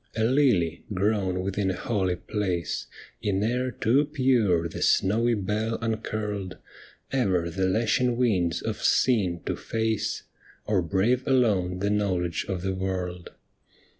A lily grown within a holy place. In air too pure the snowy bell uncurled Ever the lashing winds of sin to face, Or brave alone the knowledge of the world.